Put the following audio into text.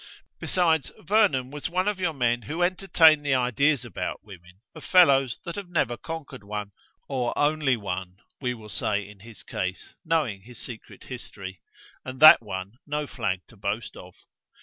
Besides, Vernon was one of your men who entertain the ideas about women of fellows that have never conquered one: or only one, we will say in his case, knowing his secret history; and that one no flag to boast of.